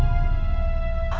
aulia tuh apa